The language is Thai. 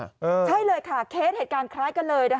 ใช่เลยค่ะเคสเหตุการณ์คล้ายกันเลยนะคะ